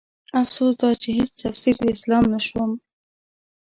افسوس دا چې هيڅ تفسير د اسلام نه شوم